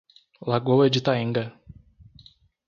Lagoa de Itaenga